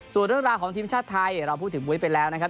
ส่วนเรื่องราวของทีมชาติไทยเราพูดถึงมุ้ยไปแล้วนะครับ